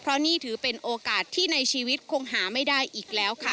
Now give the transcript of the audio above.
เพราะนี่ถือเป็นโอกาสที่ในชีวิตคงหาไม่ได้อีกแล้วค่ะ